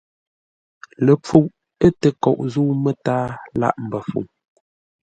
Ləpfuʼ ə̂ təkoʼ zə̂u mətǎa lâʼ mbəfuŋ.